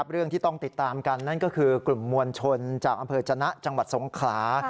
เรื่องที่ต้องติดตามกันนั่นก็คือกลุ่มมวลชนจากอำเภอจนะจังหวัดสงขลา